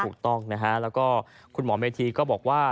ถูกต้องนะฮะแล้วก็คุณหมอเมธีก็บอกว่า